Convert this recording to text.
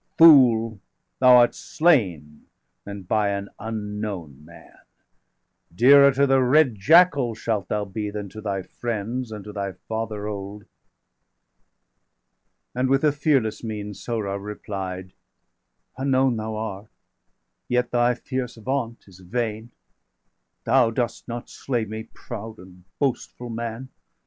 °536 Fool, thou art slain, and by an unknown man! Dearer to the red jackals° shalt thou be °538 Than to thy friends, and to thy father old." And, with a fearless mien, Sohrab replied: 540 "Unknown thou art; yet thy fierce vaunt is vain Thou dost not slay me, proud and boastful man!